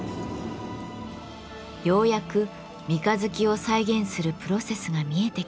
ようやく三日月を再現するプロセスが見えてきました。